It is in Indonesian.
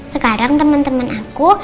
sekarang teman teman aku